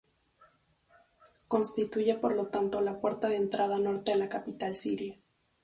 Constituye por lo tanto la puerta de entrada norte a la capital siria.